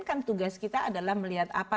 kan tugas kita adalah melihat apa